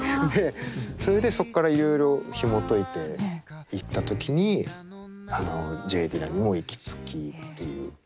でそれでそっからいろいろひもといていった時にＪ・ディラにも行き着きっていう。